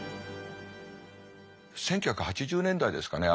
１９８０年代ですかね